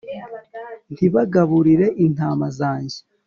ntibagaburire intama zanjye